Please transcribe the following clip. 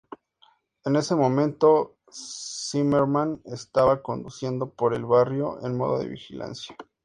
En ese momento, Zimmerman estaba conduciendo por el barrio en modo de vigilancia.